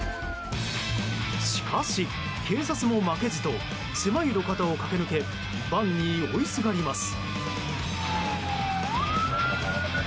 しかし、警察も負けじと狭い路肩を駆け抜けバンに追いすがります。